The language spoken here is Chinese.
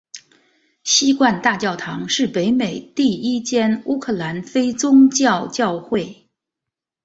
锡罐大教堂是北美洲第一间乌克兰非宗派教会。